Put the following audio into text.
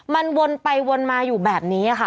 มันวนไปวนมาอยู่แบบนี้ค่ะ